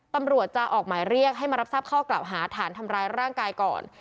ตำรวจจะออกหมายเรียกให้มารับทราบข้อกล่าวหาฐานทำร้ายร่างกายก่อน